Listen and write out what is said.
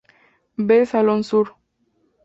V Salón Sur".